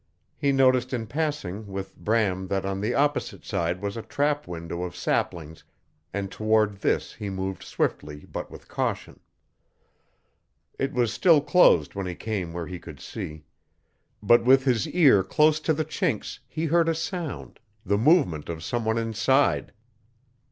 He noticed in passing with Bram that on the opposite side was a trap window of saplings, and toward this he moved swiftly but with caution. It was still closed when he came where he could see. But with his ear close to the chinks he heard a sound the movement of some one inside.